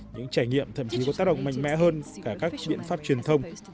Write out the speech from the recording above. những trải nghiệm thậm chí có tác động mạnh mẽ hơn cả các biện pháp truyền thông